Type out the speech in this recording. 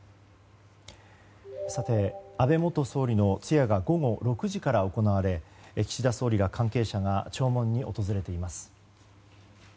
安倍元総理の通夜が午後６時から行われ岸田総理ら関係者が弔問に訪れています。